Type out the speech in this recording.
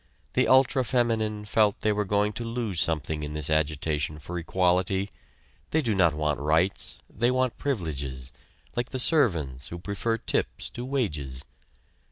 The ultra feminine felt they were going to lose something in this agitation for equality. They do not want rights they want privileges like the servants who prefer tips to wages.